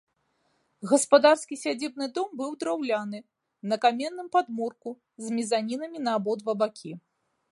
Гаспадарскі сядзібны дом быў драўляны, на каменным падмурку, з мезанінамі на абодва бакі.